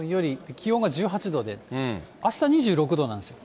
気温が１８度で、あした２６度なんですよ。